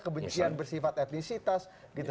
kebencian bersifat etnisitas gitu